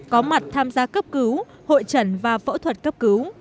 có mặt tham gia cấp cứu hội trần và phẫu thuật cấp cứu